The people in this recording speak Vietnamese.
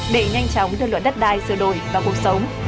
để nhanh chóng đưa luật đất đai sửa đổi vào cuộc sống